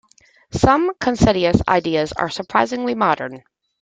Some of Consentius' ideas are surprisingly modern.